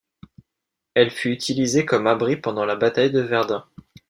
Elle fut utilisée comme abri pendant la bataille de Verdun.